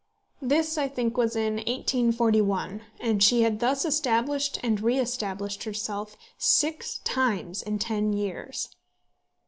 This, I think, was in 1841, and she had thus established and re established herself six times in ten years.